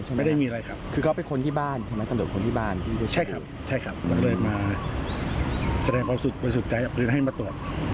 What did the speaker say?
แสดงความสุขทางจัดปืนให้มาตรวจ